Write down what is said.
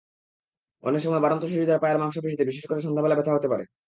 —অনেক সময় বাড়ন্ত শিশুদের পায়ের মাংসপেশিতে, বিশেষ করে সন্ধ্যাবেলা ব্যথা হতে পারে।